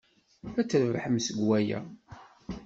Ad trebḥem deg waya.